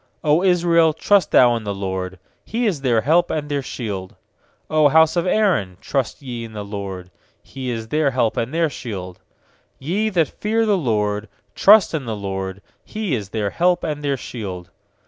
90 Israel, trust thou in the LORD! He is their help and their shield! 100 house of Aaron, trust ye in the LORD! He is their help and their shield! nYe that fear the LORD, trust in the LORD! He is their help and their shield.